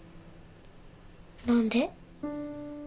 何で？